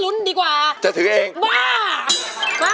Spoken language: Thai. ลุ้นดีกว่าบ้ามา